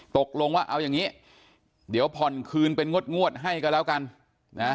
ตกลงว่าเอาอย่างนี้เดี๋ยวผ่อนคืนเป็นงวดให้ก็แล้วกันนะ